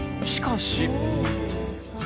しかし。